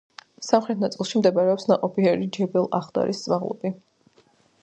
სამხრეთ ნაწილში მდებარეობს ნაყოფიერი ჯებელ-ახდარის მაღლობი.